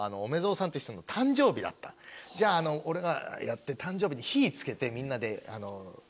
じゃあ俺がやって誕生日で火つけて。